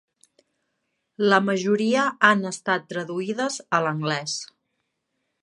La majoria han estat traduïdes a l'anglès.